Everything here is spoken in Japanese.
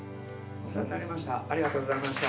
お世話になりました